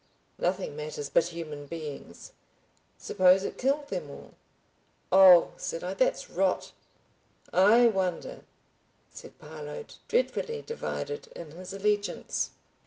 "Nothing matters but human beings." "Suppose it killed them all." "Oh," said I, "that's Rot," "I wonder," said Parload, dreadfully divided in his allegiance.